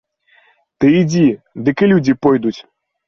Ты ідзі, дык і людзі пойдуць!